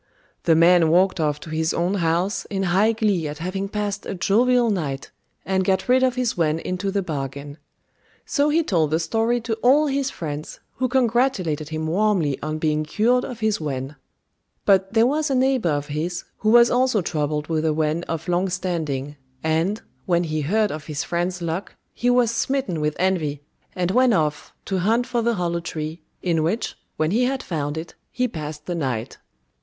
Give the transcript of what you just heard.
The man walked off to his own house in high glee at having passed a jovial night, and got rid of his wen into the bargain. So he told the story to all his friends, who congratulated him warmly on being cured of his wen. But there was a neighbour of his who was also troubled with a wen of long standing, and, when he heard of his friend's luck, he was smitten with envy, and went off to hunt for the hollow tree, in which, when he had found it, he passed the night.